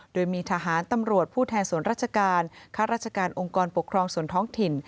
โดยมีทหารตำรวจผู้แทนส่วนราชการค่าราชการองค์กรปกครองส่วนท้องถิ่น